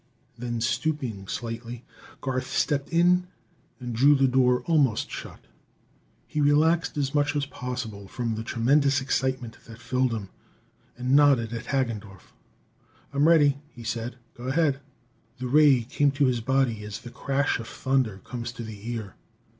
Then, stooping slightly, Garth stepped in and drew the door almost shut. He relaxed as much as possible from the tremendous excitement that filled him, and nodded at Hagendorff. "I'm ready," he said. "Go ahead!" The ray came to his body as the crash of thunder comes to the ear.